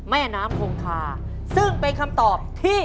แม่น้ำคงคาซึ่งเป็นคำตอบที่